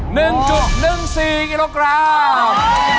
หนึ่งจุดหนึ่งสี่กิโลกรัม